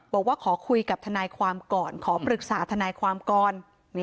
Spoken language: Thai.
บอกว่าขอคุยกับทนายความก่อนขอปรึกษาทนายความก่อน